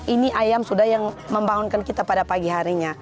ini ayam sudah yang membangunkan kita pada pagi harinya